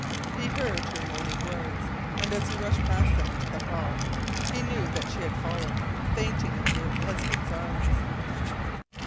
He heard her moaning words, and as he rushed past them into the hall he knew that she had fallen fainting into her husband's arms.